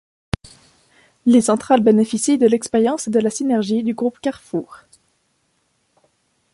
Les centrales bénéficient de l'expérience et de la synergie du Groupe Carrefour.